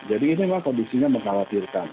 jadi ini mah kondisinya mengkhawatirkan